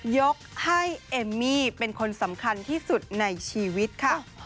ยกให้เอมมี่เป็นคนสำคัญที่สุดในชีวิตค่ะ